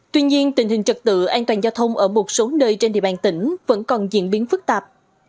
tuy nhiên tình hình trật tự an toàn giao thông ở một số nơi trên địa bàn tỉnh vẫn còn diễn biến phức tạp